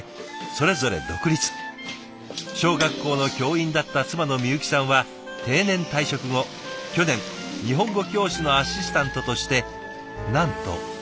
小学校の教員だった妻のみゆきさんは定年退職後去年日本語教師のアシスタントとしてなんとベトナムへ。